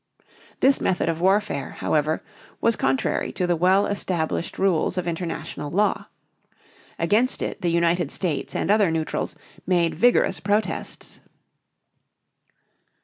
This method of warfare, however, was contrary to the well established rules of international law. Against it the United States and other neutrals made vigorous protests.